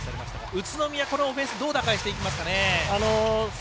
宇都宮、このオフェンスどう打開していきますかね？